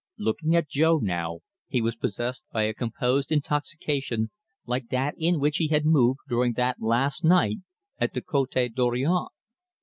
Looking at Jo now, he was possessed by a composed intoxication like that in which he had moved during that last night at the Cote Dorion.